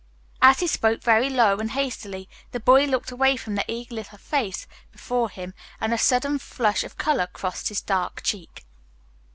As he spoke very low and hastily, the boy looked away from the eager little face before him, and a sudden flush of color crossed his dark cheek.